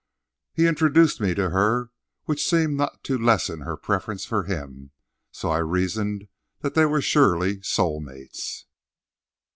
He introduced me to her, which seemed not to lessen her preference for him; so I reasoned that they were surely soul mates.